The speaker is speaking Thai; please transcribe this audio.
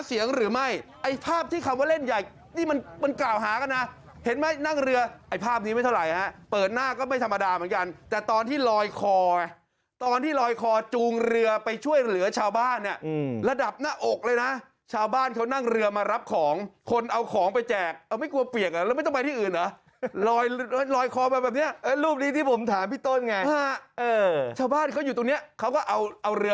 เสียงหรือไม่ไอ้ภาพที่คำว่าเล่นใหญ่นี่มันมันกล่าวหากันนะเห็นไหมนั่งเรือไอ้ภาพนี้ไม่เท่าไหร่ฮะเปิดหน้าก็ไม่ธรรมดาเหมือนกันแต่ตอนที่ลอยคอตอนที่ลอยคอจูงเรือไปช่วยเหลือชาวบ้านเนี่ยระดับหน้าอกเลยนะชาวบ้านเขานั่งเรือมารับของคนเอาของไปแจกเอาไม่กลัวเปียกแล้วไม่ต้องไปที่อื่นหรอลอยลอยคอแบ